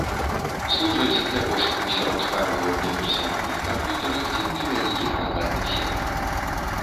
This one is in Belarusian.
Служаць для пошуку сярод файлаў на персанальных камп'ютарах ці ў невялікіх лакальных сетках.